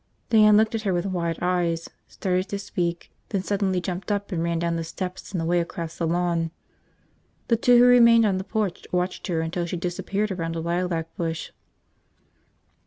Diane looked at her with wide eyes, started to speak, then suddenly jumped up and ran down the steps and away across the lawn. The two who remained on the porch watched her until she disappeared around a lilac bush.